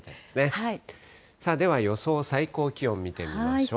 では予想最高気温見てみましょう。